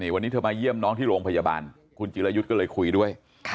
วันนี้เธอมาเยี่ยมน้องที่โรงพยาบาลคุณจิรายุทธ์ก็เลยคุยด้วย